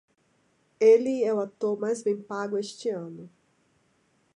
Ele é o ator mais bem pago este ano.